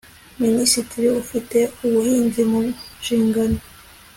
minisitiri ufite ubuhinzi mu nshingano